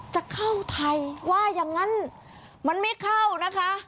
จะเข้าไทยว่าอย่างนั้นมันไม่เข้านะคะ